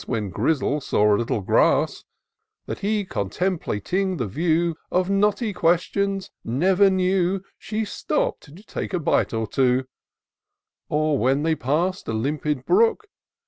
When Grizzle saw a little grass, That he, contemplating the view Of knotty questions, never knew She stopp'd to take a bite or two ; Or, when they pass'd a limpid brook.